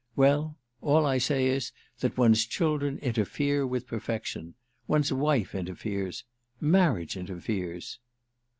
Well, all I say is that one's children interfere with perfection. One's wife interferes. Marriage interferes."